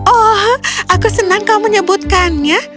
oh aku senang kamu menyebutkannya